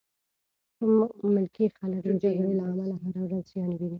ملکي خلک د جګړې له امله هره ورځ زیان ویني.